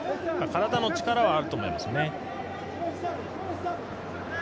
体の力はあると思いますよね。